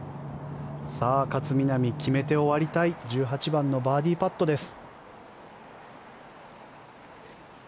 勝みなみ決めて終わりたい１８番のバーディーパットです。